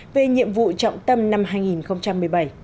về nhiệm vụ trọng tâm năm hai nghìn một mươi bảy